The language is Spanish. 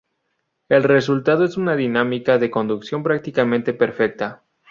El resultado es una dinámica de conducción prácticamente perfecta.